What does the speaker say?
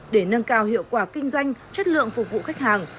để nâng cao hiệu quả kinh doanh chất lượng phục vụ khách hàng